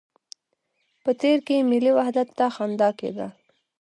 په تېر کې ملي وحدت ته خنده کېده.